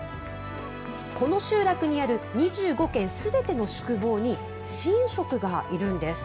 この集落にある２５軒すべての宿坊に、神職がいるんです。